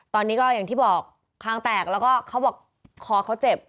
ตอนนี้ก็อย่างที่บอกคางแตกแล้วก็เขาบอกคอเขาเจ็บ